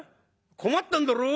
「困ってんだろ？